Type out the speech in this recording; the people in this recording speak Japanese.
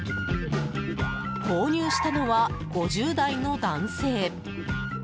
購入したのは５０代の男性。